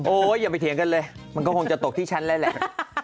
อย่าไปเถียงกันเลยมันก็คงจะตกที่ฉันแล้วแหละ